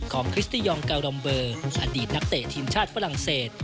คริสติยองกาดอมเบอร์อดีตนักเตะทีมชาติฝรั่งเศส